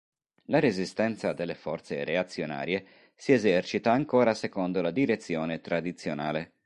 La resistenza delle forze reazionarie si esercita ancora secondo la direzione tradizionale.